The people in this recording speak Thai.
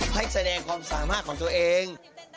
ให้แสดงความสามารถของตัวเอง